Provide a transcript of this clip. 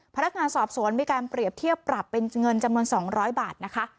พนักงานสอบสวนมีการเปรียบเทียบปรับเป็นเงินจำนวน๒๐๐บาทนะคะ